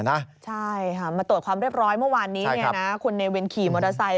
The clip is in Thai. ใช่ค่ะมาตรวจความเรียบร้อยเมื่อวานนี้คุณเนวินขี่มอเตอร์ไซค